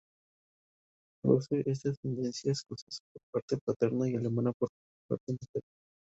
Rose es de ascendencia escocesa por parte paterna y alemana por parte materna.